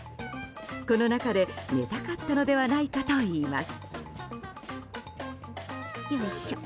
この中で寝たかったのではないかといいます。